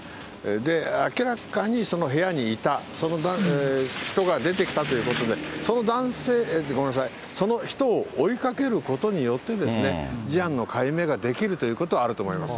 で、明らかにその部屋にいた、その人が出てきたということで、その男性、ごめんなさい、その人を追いかけることによってですね、事案の解明ができるということはあると思います。